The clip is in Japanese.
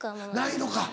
ないのか。